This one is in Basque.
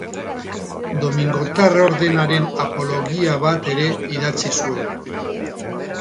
Domingotar ordenaren apologia bat ere idatzi zuen.